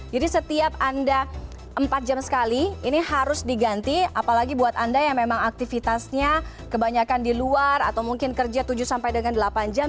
jadi setiap anda empat jam sekali ini harus diganti apalagi buat anda yang memang aktivitasnya kebanyakan di luar atau mungkin kerja tujuh sampai dengan delapan jam